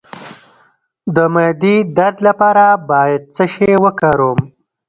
د معدې درد لپاره باید څه شی وکاروم؟